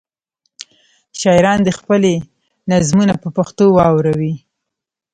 شاعران دې خپلې نظمونه په پښتو واوروي.